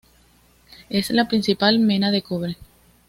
Es la principal mena de cobre.